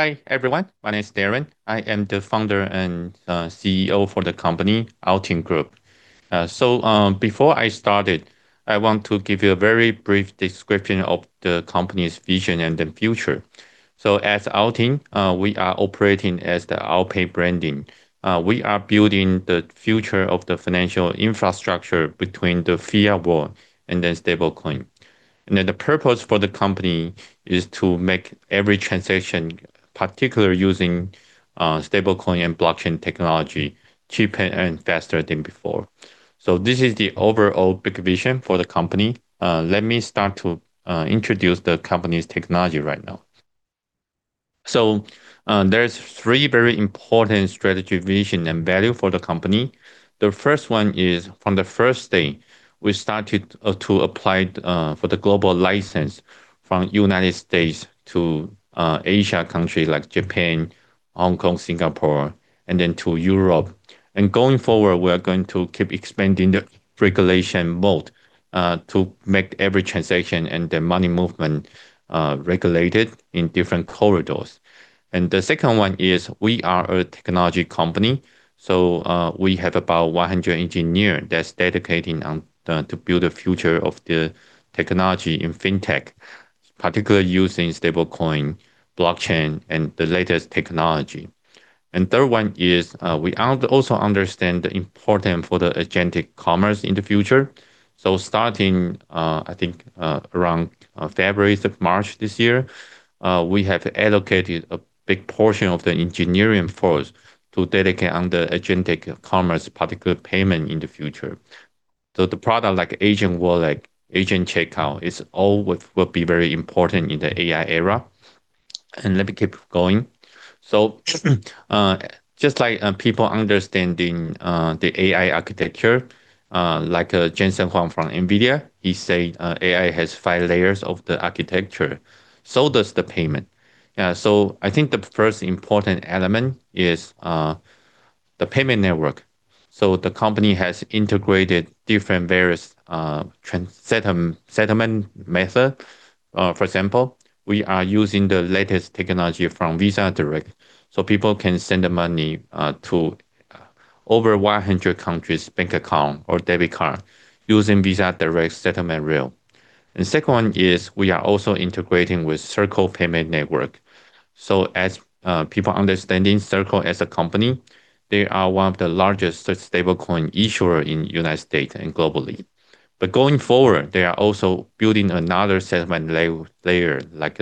Hi everyone, my name is Darren. I am the founder and CEO for the company OwlTing Group. Before I start, I want to give you a very brief description of the company's vision and the future. At OwlTing, we are operating as the OwlPay branding. We are building the future of the financial infrastructure between the fiat world and the stablecoin. The purpose for the company is to make every transaction, particularly using stablecoin and blockchain technology, cheaper and faster than before. This is the overall big vision for the company. Let me start to introduce the company's technology right now. There's three very important strategy vision and value for the company. The first one is, from the first day, we started to apply for the global license from United States to Asia countries like Japan, Hong Kong, Singapore, and then to Europe. Going forward, we are going to keep expanding the regulation moat to make every transaction and the money movement regulated in different corridors. The second one is, we are a technology company, so we have about 100 engineers that's dedicating to build a future of the technology in fintech, particularly using stablecoin, blockchain, and the latest technology. Third one is, we also understand the importance for the agentic commerce in the future. Starting, I think around February to March this year, we have allocated a big portion of the engineering force to dedicate on the agentic commerce particular payment in the future. The product like Agent World, like Agent Checkout, it's all will be very important in the AI era. Let me keep going. Just like people understanding the AI architecture, like Jensen Huang from Nvidia, he say AI has five layers of the architecture. Does the payment. I think the first important element is the payment network. The company has integrated different various settlement method. For example, we are using the latest technology from Visa Direct, so people can send the money to over 100 countries' bank account or debit card using Visa Direct settlement rail. The second one is we are also integrating with Circle Payments Network. As people understanding Circle as a company, they are one of the largest stablecoin issuer in United States. and globally. Going forward, they are also building another settlement layer like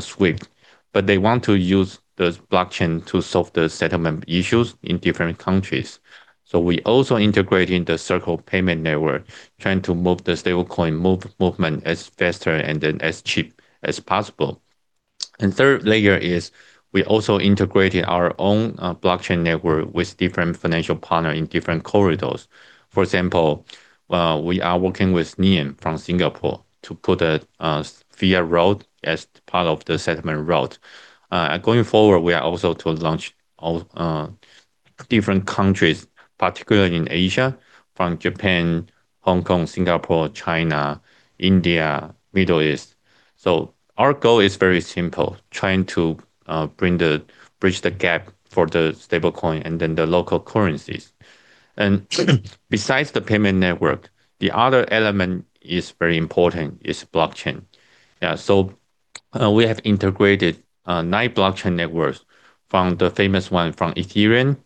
SWIFT, but they want to use the blockchain to solve the settlement issues in different countries. We also integrating the Circle Payments Network, trying to move the stablecoin movement as faster and then as cheap as possible. Third layer is we also integrated our own blockchain network with different financial partner in different corridors. For example, we are working with Nium from Singapore to put a fiat route as part of the settlement route. Going forward, we are also to launch all different countries, particularly in Asia, from Japan, Hong Kong, Singapore, China, India, Middle East. Our goal is very simple, trying to bridge the gap for the stablecoin and then the local currencies. Besides the payment network, the other element is very important, is blockchain. We have integrated nine blockchain networks from the famous one from Ethereum,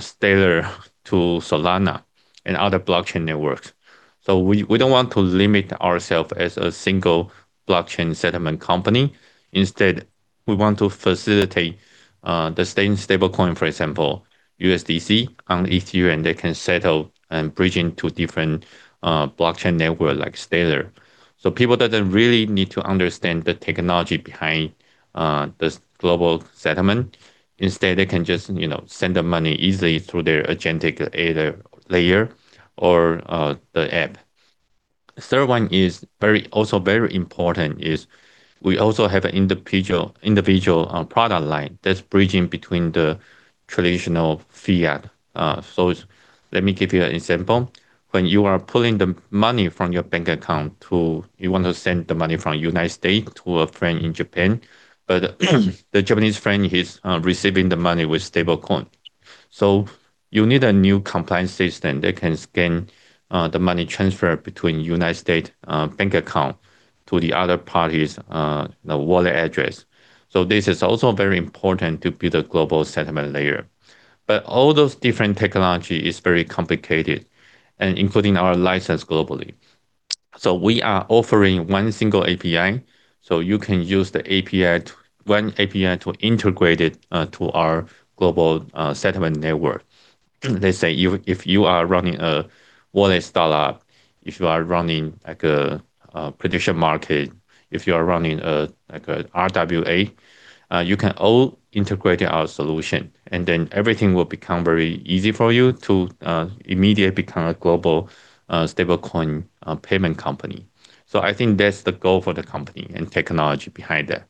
Stellar to Solana and other blockchain networks. We don't want to limit ourself as a single blockchain settlement company. Instead, we want to facilitate the stablecoin, for example, USDC on Ethereum. They can settle and bridge into different blockchain network like Stellar. People doesn't really need to understand the technology behind this global settlement. Instead, they can just send the money easily through their agentic layer or the app. Third one is also very important is we also have an individual product-line that's bridging between the traditional fiat. Let me give you an example. When you are pulling the money from your bank account You want to send the money from United States to a friend in Japan, but the Japanese friend is receiving the money with stablecoin. You need a new compliance system that can scan the money transfer between United States bank account to the other party's wallet address. This is also very important to build a global settlement layer. All those different technology is very complicated, and including our license globally. We are offering one single API. You can use one API to integrate it to our global settlement network. Let's say if you are running a wallet startup, if you are running like a prediction market, if you are running like a RWA, you can all integrate our solution, and then everything will become very easy for you to immediately become a global stablecoin payment company. I think that's the goal for the company and technology behind that.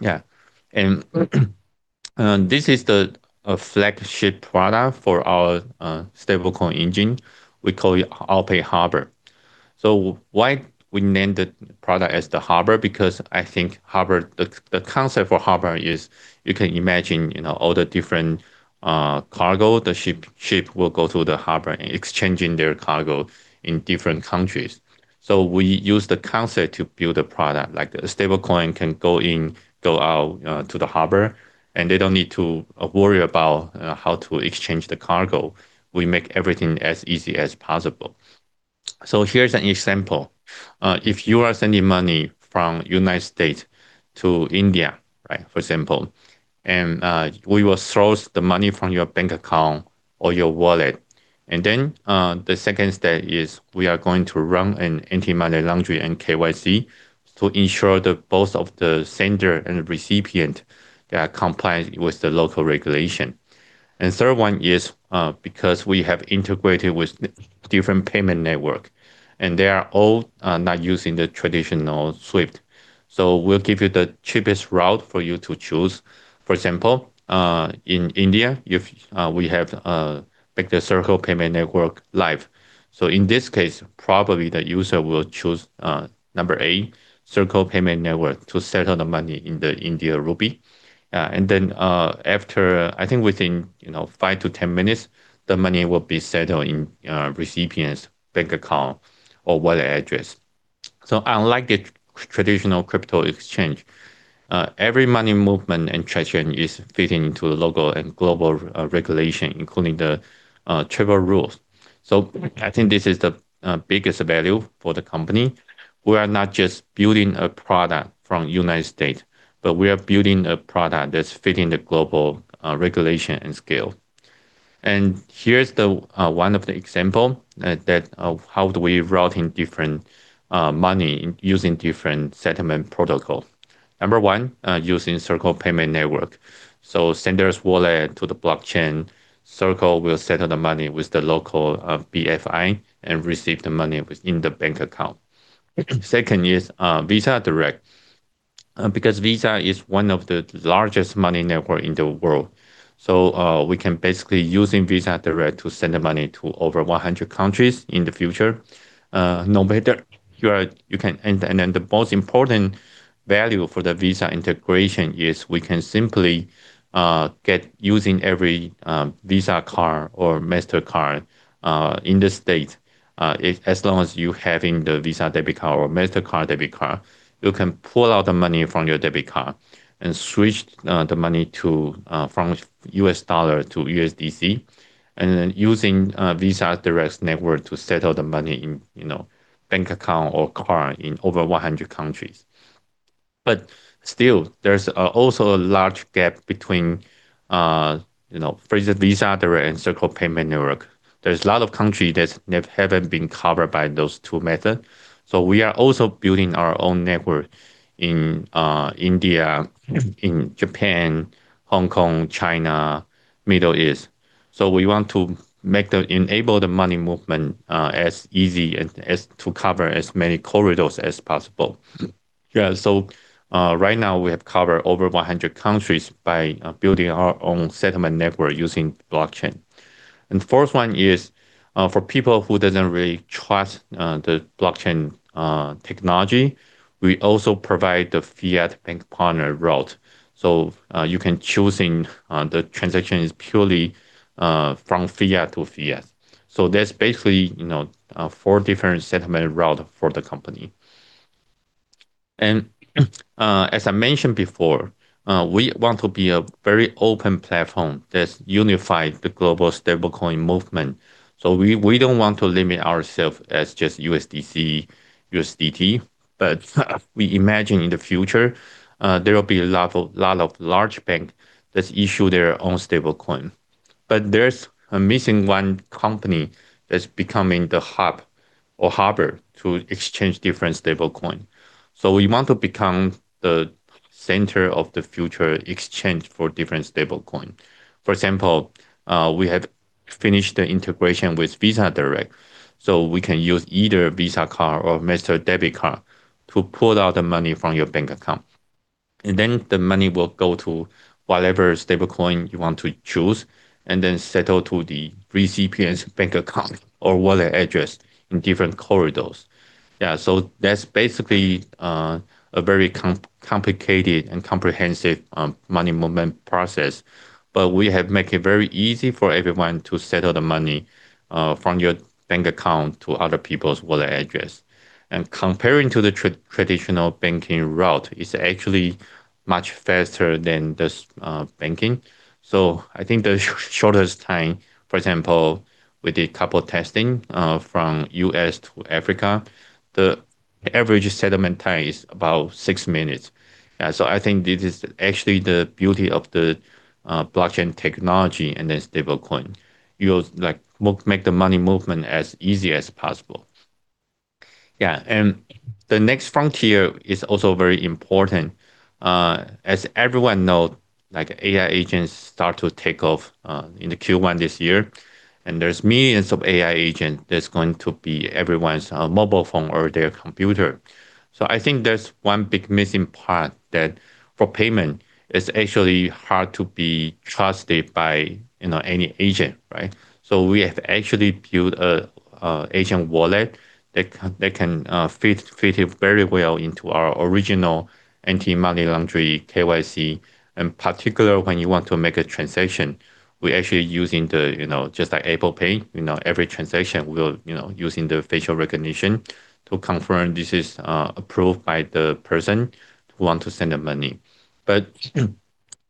Yeah. This is the flagship product for our stablecoin engine. We call it OwlPay Harbor. Why we named the product as the Harbor? I think the concept for Harbor is you can imagine all the different cargo, the ship will go through the harbor exchanging their cargo in different countries. We use the concept to build a product, like the stablecoin can go in, go out to the Harbor, and they don't need to worry about how to exchange the cargo. We make everything as easy as possible. Here's an example. If you are sending money from United States to India, for example, and we will source the money from your bank account or your wallet, and then the second step is we are going to run an anti-money laundering and KYC to ensure that both of the sender and recipient are compliant with the local regulation. Third one is, because we have integrated with different payment network, and they are all not using the traditional SWIFT. We'll give you the cheapest route for you to choose. For example, in India, we have the Circle Payments Network live. In this case, probably the user will choose number A, Circle Payments Network, to settle the money in the India rupee. I think within 5-10 minutes, the money will be settled in recipient's bank account or wallet address. Unlike the traditional crypto exchange, every money movement and transaction is fitting into the local and global regulation, including the Travel Rule. I think this is the biggest value for the company. We are not just building a product from Unites State, but we are building a product that's fitting the global regulation and scale. Here's one of the example of how do we route in different money using different settlement protocol. Number one, using Circle Payments Network. Sender's wallet to the blockchain, Circle will settle the money with the local BFI and receive the money within the bank account. Second is Visa Direct, because Visa is one of the largest money network in the world. We can basically using Visa Direct to send the money to over 100 countries in the future. The most important value for the Visa integration is we can simply get using every Visa card or Mastercard in the United States. As long as you having the Visa debit card or Mastercard debit card, you can pull out the money from your debit card and switch the money from U.S. dollar to USDC, and then using Visa Direct network to settle the money in bank account or card in over 100 countries. Still, there's also a large gap between, for instance, Visa Direct and Circle Payments Network. There's a lot of country that haven't been covered by those two method. We are also building our own network in India, in Japan, Hong Kong, China, Middle East. We want to enable the money movement as easy and to cover as many corridors as possible. Yeah. Right now we have covered over 100 countries by building our own settlement network using blockchain. Fourth one is for people who doesn't really trust the blockchain technology, we also provide the fiat bank partner route. You can choosing the transaction is purely from fiat to fiat. There's basically four different settlement route for the company. As I mentioned before, we want to be a very open platform that unify the global stablecoin movement. We don't want to limit ourself as just USDC, USDT, but we imagine in the future, there will be a lot of large bank that issue their own stablecoin. There's a missing one company that's becoming the hub or harbor to exchange different stablecoin. We want to become the center of the future exchange for different stablecoin. For example, we have finished the integration with Visa Direct. We can use either Visa card or Master debit card to pull out the money from your bank account. The money will go to whatever stablecoin you want to choose, and then settle to the recipient's bank account or wallet address in different corridors. That's basically a very complicated and comprehensive money movement process. We have make it very easy for everyone to settle the money from your bank account to other people's wallet address. Comparing to the traditional banking route, it's actually much faster than this banking. I think the shortest time, for example, we did a couple testing from U.S. to Africa. The average settlement time is about six minutes. I think this is actually the beauty of the blockchain technology and the stablecoin. You will make the money movement as easy as possible. Yeah. The next frontier is also very important. As everyone know, like AI agents start to take off in the Q1 this year, and there's millions of AI agent that's going to be everyone's mobile phone or their computer. I think there's one big missing part that for payment, it's actually hard to be trusted by any agent, right? We have actually built a agent wallet that can fit it very well into our original anti-money laundering KYC. In particular, when you want to make a transaction, we actually using just like Apple Pay, every transaction we are using the facial recognition to confirm this is approved by the person who want to send the money.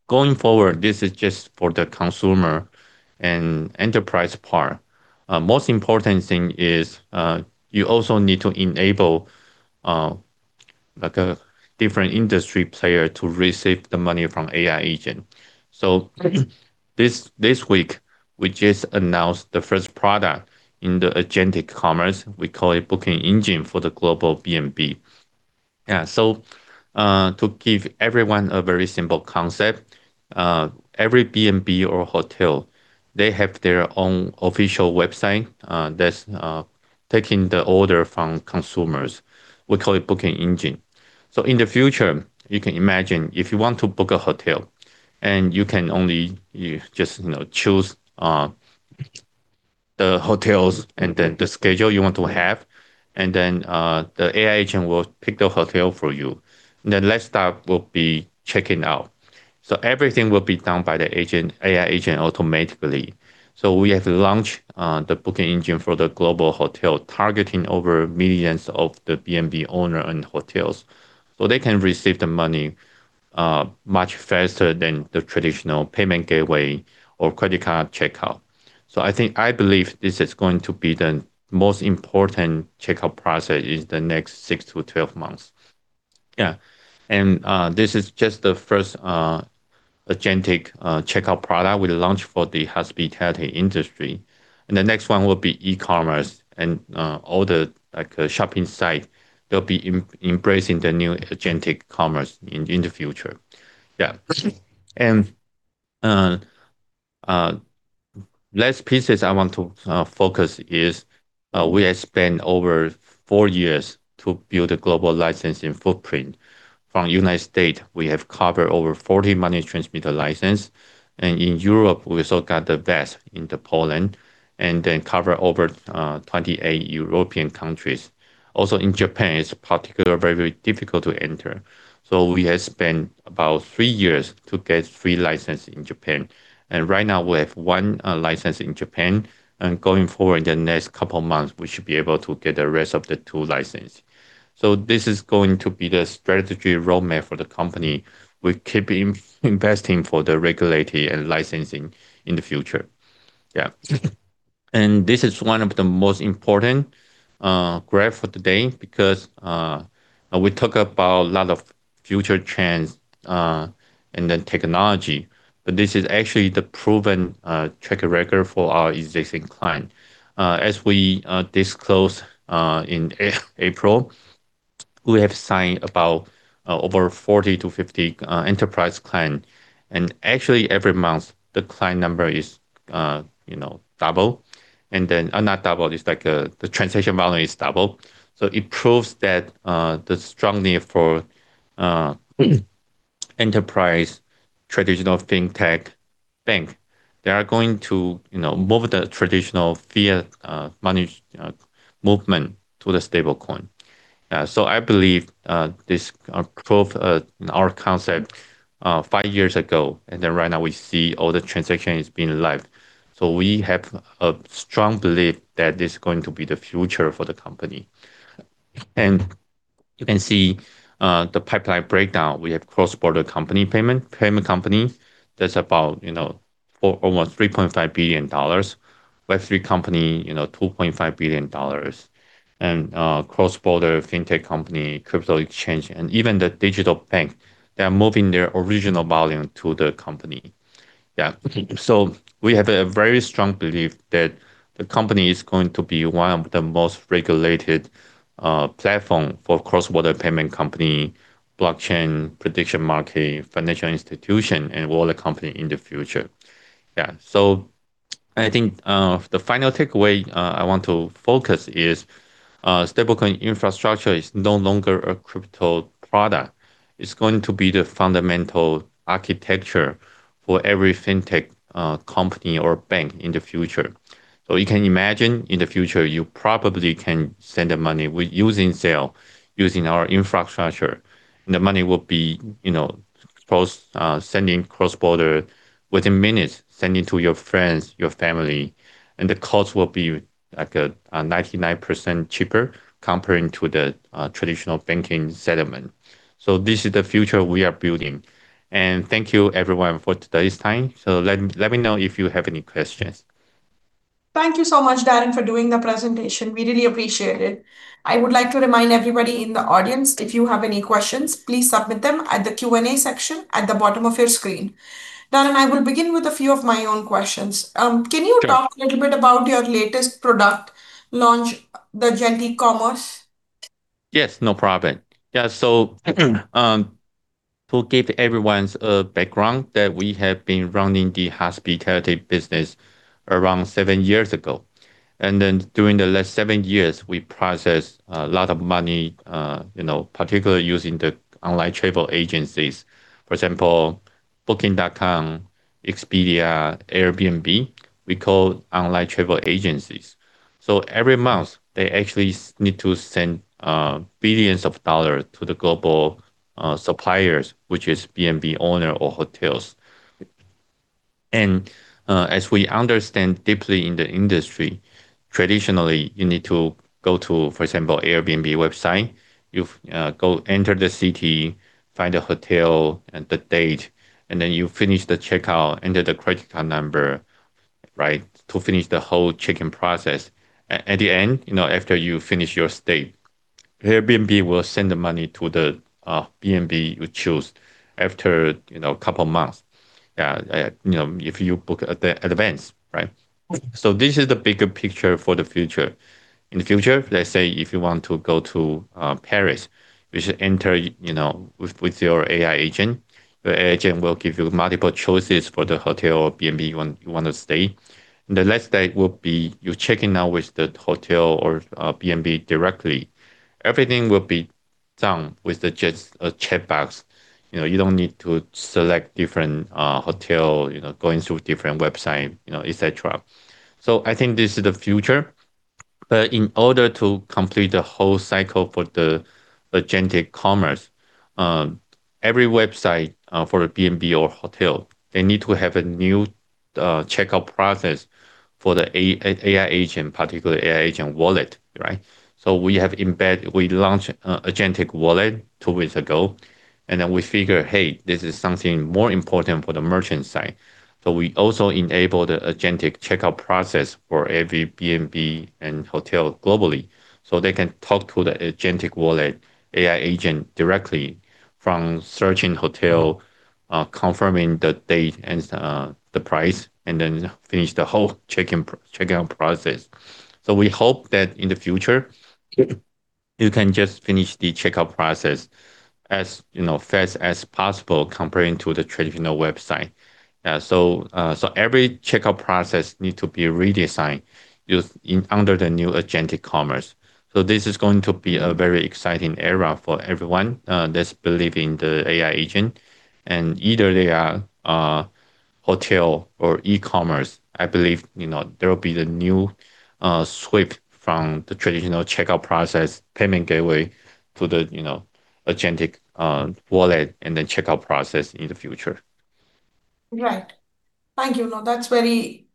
Going forward, this is just for the consumer and enterprise part. Most important thing is, you also need to enable different industry player to receive the money from AI agent. This week, we just announced the first product in the agentic commerce. We call it booking engine for the global B&B. Yeah, to give everyone a very simple concept, every B&B or hotel, they have their own official website that's taking the order from consumers. We call it booking engine. In the future, you can imagine if you want to book a hotel and you can only choose the hotels and then the schedule you want to have, and then, the AI agent will pick the hotel for you. The next step will be checking out. Everything will be done by the AI agent automatically. We have launched the booking engine for the global hotel, targeting over millions of the B&B owner and hotels. They can receive the money much faster than the traditional payment gateway or credit card checkout. I believe this is going to be the most important checkout process in the next 6 to 12 months. This is just the first agentic checkout product we launch for the hospitality industry. The next one will be e-commerce and all the shopping site, they'll be embracing the new agentic commerce in the future. Last pieces I want to focus is, we have spent over four years to build a global licensing footprint. From United States, we have covered over 40 Money Transmitter License. In Europe, we also got the VASP into Poland and then cover over 28 European countries. In Japan, it's particular very, very difficult to enter. We have spent about three years to get three license in Japan. Right now we have one license in Japan, and going forward, the next couple of months, we should be able to get the rest of the two license. This is going to be the strategy roadmap for the company. We keep investing for the regulatory and licensing in the future. Yeah. This is one of the most important graph for today because we talk about a lot of future trends and then technology, but this is actually the proven track record for our existing client. As we disclose in April, we have signed about over 40-50 enterprise client, and actually, every month the client number is double. Not double, it's like the transaction value is double. It proves that the strong need for enterprise traditional fintech bank. They are going to move the traditional fiat money movement to the stablecoin. I believe this prove our concept five years ago, and then right now we see all the transaction is being live. We have a strong belief that this is going to be the future for the company. You can see the pipeline breakdown. We have cross-border company payment. Payment company, that's about almost $3.5 billion. Web3 company, $2.5 billion. cross-border fintech company, crypto exchange, and even the digital bank, they are moving their original volume to the company. Yeah. We have a very strong belief that the company is going to be one of the most regulated platform for cross-border payment company, blockchain prediction market, financial institution, and all the company in the future. Yeah. I think the final takeaway I want to focus is stablecoin infrastructure is no longer a crypto product. It's going to be the fundamental architecture for every fintech company or bank in the future. You can imagine in the future, you probably can send the money using [Zelle], using our infrastructure, and the money will be sending cross-border within minutes, sending to your friends, your family, and the cost will be like a 99% cheaper comparing to the traditional banking settlement. This is the future we are building. Thank you, everyone, for today's time. Let me know if you have any questions. Thank you so much, Darren, for doing the presentation. We really appreciate it. I would like to remind everybody in the audience, if you have any questions, please submit them at the Q&A section at the bottom of your screen. Darren, I will begin with a few of my own questions. Can you talk a little bit about your latest product launch, the agentic commerce? Yes, no problem. To give everyone's background that we have been running the hospitality business around seven years ago. During the last seven years, we process a lot of money, particularly using the online travel agencies. For example, Booking.com, Expedia, Airbnb, we call online travel agencies. Every month, they actually need to send billions of dollar to the global suppliers, which is B&B owner or hotels. As we understand deeply in the industry, traditionally, you need to go to, for example, Airbnb website, you enter the city, find a hotel, and the date, then you finish the checkout, enter the credit card number, to finish the whole check-in process. At the end, after you finish your stay, Airbnb will send the money to the B&B you choose after a couple of months if you book advance. This is the bigger picture for the future. In the future, let's say, if you want to go to Paris, you should enter with your AI agent. The agent will give you multiple choices for the hotel or B&B you want to stay. The last stage will be you check-in now with the hotel or B&B directly. Everything will be done with just a chat box. You don't need to select different hotel, going through different website, etc. I think this is the future. In order to complete the whole cycle for the agentic commerce, every website for a B&B or hotel, they need to have a new checkout process for the AI agent, particularly AI agent wallet, right? We have embed We launched an agentic wallet two weeks ago. Then we figure, "Hey, this is something more important for the merchant side." We also enable the agentic checkout process for every B&B and hotel globally, so they can talk to the agentic wallet AI agent directly from searching hotel, confirming the date and the price, and then finish the whole checkout process. We hope that in the future, you can just finish the checkout process as fast as possible comparing to the traditional website. Every checkout process need to be redesigned under the new agentic commerce. This is going to be a very exciting era for everyone that's believe in the AI agent. Either they are hotel or e-commerce, I believe there will be the new sweep from the traditional checkout process payment gateway to the agentic wallet and the checkout process in the future. Right. Thank you. No, that's very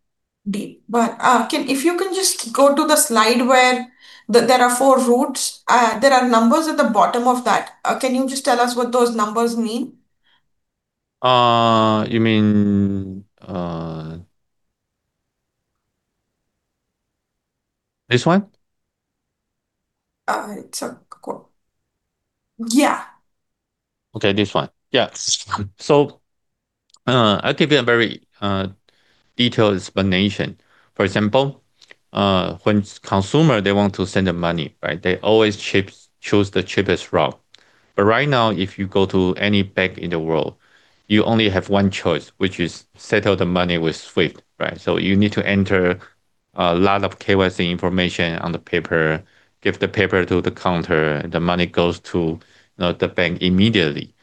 deep. If you can just go to the slide where there are four routes. There are numbers at the bottom of that. Can you just tell us what those numbers mean? You mean this one? It's a. Yeah. Okay, this one. Yeah. I'll give you a very detailed explanation. For example, when consumers, they want to send the money, they always choose the cheapest route. Right now, if you go to any bank in the world, you only have one choice, which is settle the money with SWIFT, right? You need to enter a lot of KYC information on the paper, give the paper to the counter, the money goes to the bank immediately.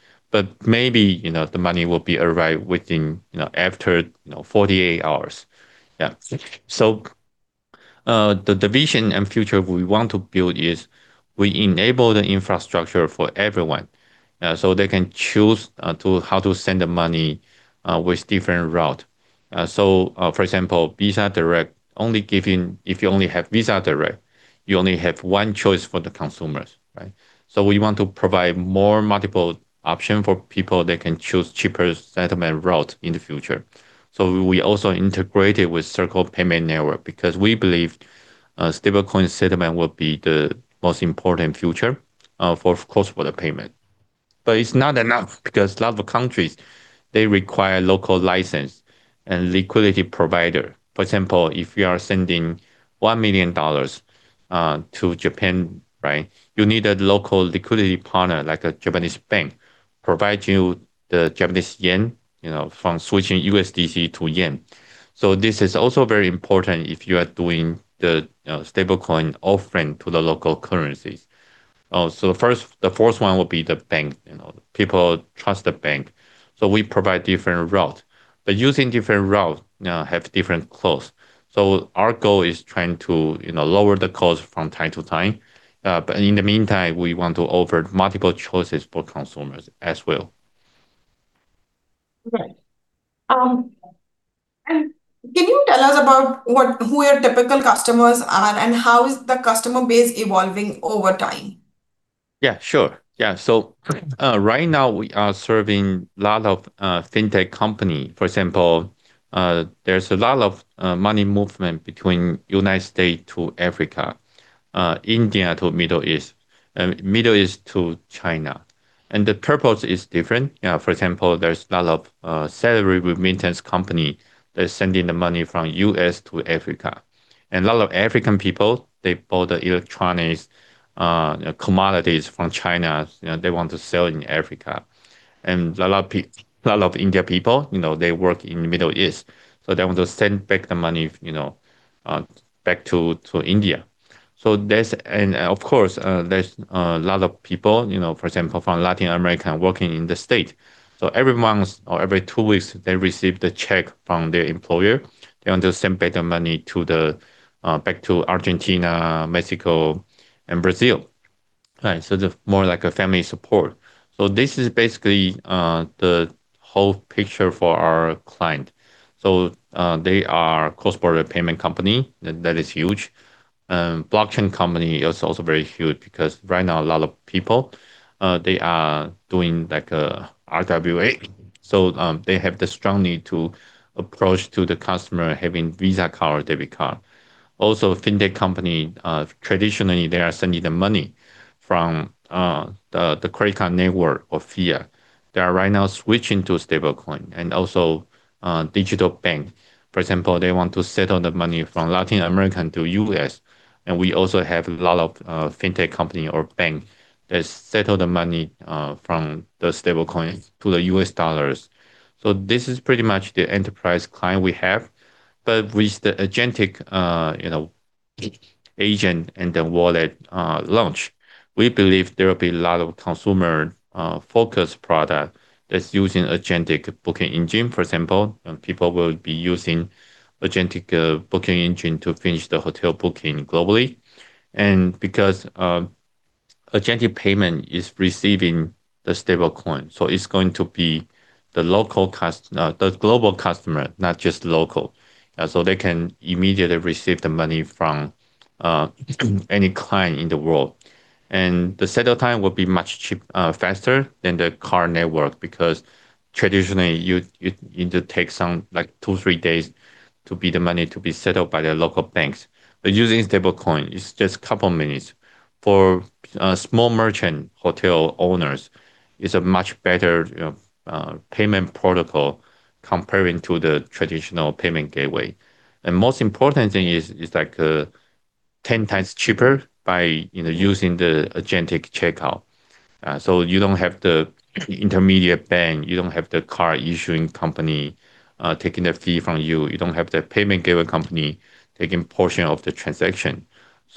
Maybe, the money will arrive after 48 hours. Yeah. The vision and future we want to build is we enable the infrastructure for everyone, so they can choose how to send the money with different route. For example, Visa Direct, if you only have Visa Direct, you only have one choice for the consumers, right? We want to provide more multiple option for people that can choose cheaper settlement route in the future. We also integrated with Circle Payments Network because we believe stablecoin settlement will be the most important future, of course, for the payment. It's not enough because a lot of countries, they require local license and liquidity provider. For example, if you are sending $1 million to Japan, you need a local liquidity partner, like a Japanese bank, provide you the Japanese yen, from switching USDC to yen. This is also very important if you are doing the stablecoin offering to the local currencies. The fourth one would be the bank. People trust the bank. We provide different route. Using different route have different costs. Our goal is trying to lower the cost from time-to-time. In the meantime, we want to offer multiple choices for consumers as well. Right. Can you tell us about who your typical customers are, and how is the customer base evolving over time? Yeah. Sure. Yeah. Right now we are serving lot of FinTech company. For example, there's a lot of money movement between United States to Africa, India to Middle East, Middle East to China. The purpose is different. For example, there's a lot of salary remittance company that is sending the money from U.S. to Africa. A lot of African people, they bought the electronics, commodities from China, they want to sell in Africa. A lot of India people, they work in Middle East, so they want to send back the money back to India. Of course, there's a lot of people, for example, from Latin America, working in the States. Every month or every two weeks, they receive the check from their employer. They want to send back the money back to Argentina, Mexico, and Brazil. Right. It's more like a family support. This is basically the whole picture for our client. They are cross-border payment company that is huge. Blockchain company is also very huge because right now, a lot of people, they are doing like a RWA, they have the strong need to approach to the customer having Visa card or debit card. Fintech company, traditionally, they are sending the money from the credit card network or fiat. They are right now switching to stablecoin and also digital bank. For example, they want to settle the money from Latin America to U.S., we also have a lot of Fintech company or bank that settle the money from the stablecoins to the U.S. dollars. This is pretty much the enterprise client we have. With the agentic agent and the wallet launch, we believe there will be a lot of consumer focused product that's using agentic booking engine. For example, people will be using agentic booking engine to finish the hotel booking globally. Because agentic payment is receiving the stablecoin, it's going to be the global customer, not just local. They can immediately receive the money from any client in the world. The settle time will be much faster than the card network, because traditionally, it would take some two, three days to be the money to be settled by their local banks. Using stablecoin, it's just a couple of minutes. For small merchant hotel owners, it's a much better payment protocol comparing to the traditional payment gateway. Most important thing is it's 10x cheaper by using the agentic checkout. You don't have the intermediate bank, you don't have the card issuing company taking their fee from you. You don't have the payment gateway company taking portion of the transaction.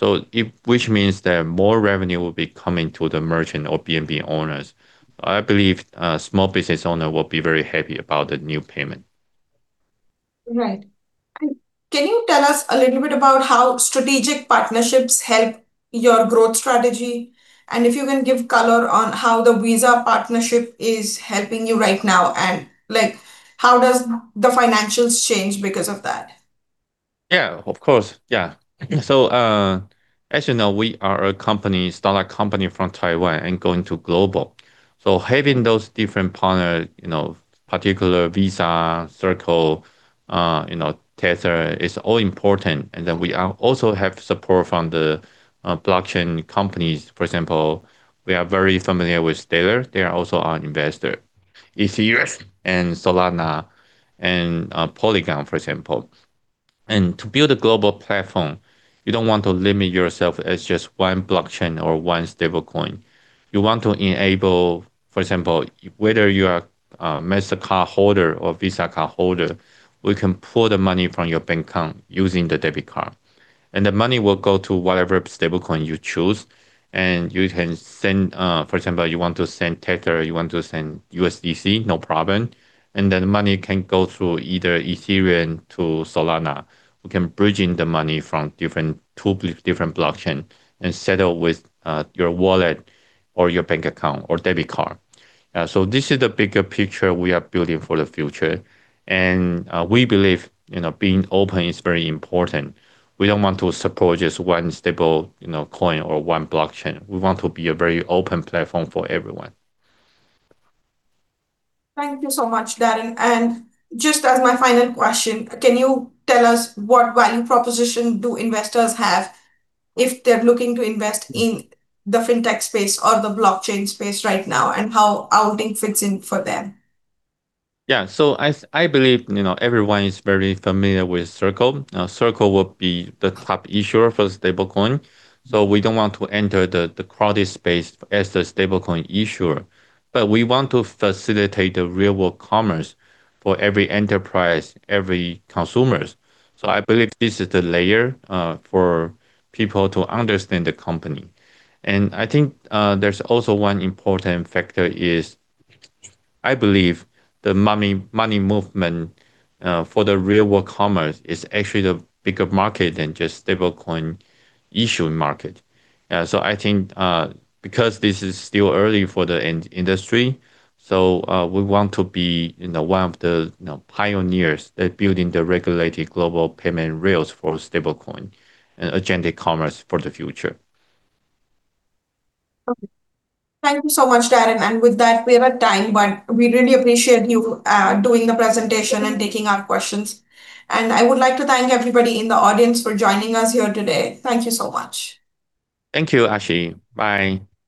More revenue will be coming to the merchant or B&B owners. I believe small business owner will be very happy about the new payment. Right. Can you tell us a little bit about how strategic partnerships help your growth strategy? If you can give color on how the Visa partnership is helping you right now, and how does the financials change because of that? Of course. As you know, we are a startup company from Taiwan and going to global. Having those different partner, particular Visa, Circle, Tether, is all important. We also have support from the blockchain companies. For example, we are very familiar with Stellar. They are also our investor. ETH and Solana and Polygon, for example. To build a global platform, you don't want to limit yourself as just one blockchain or one stablecoin. You want to enable, for example, whether you are a Mastercard holder or Visa card holder, we can pull the money from your bank account using the debit card. The money will go to whatever stablecoin you choose. You can send, for example, you want to send Tether, you want to send USDC, no problem, money can go through either Ethereum to Solana. We can bridge in the money from two different blockchain and settle with your wallet or your bank account or debit card. This is the bigger picture we are building for the future. We believe being open is very important. We don't want to support just one stablecoin or one blockchain. We want to be a very open platform for everyone. Thank you so much, Darren. Just as my final question, can you tell us what value proposition do investors have if they're looking to invest in the Fintech space or the blockchain space right now, and how OwlTing fits in for them? Yeah. I believe everyone is very familiar with Circle. Circle will be the top issuer for stablecoin, so we don't want to enter the crowded space as a stablecoin issuer. We want to facilitate the real world commerce for every enterprise, every consumers. I believe this is the layer for people to understand the company. I think there's also one important factor is, I believe the money movement for the real world commerce is actually the bigger market than just stablecoin issuing market. I think, because this is still early for the industry, so we want to be one of the pioneers at building the regulated global payment rails for stablecoin and agentic commerce for the future. Okay. Thank you so much, Darren. With that, we are at time, we really appreciate you doing the presentation and taking our questions. I would like to thank everybody in the audience for joining us here today. Thank you so much. Thank you, Ashi. Bye.